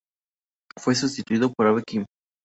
Fue sustituido por Abe Kim.